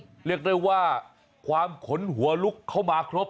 เรียกได้ว่าความขนหัวลุกเข้ามาครบ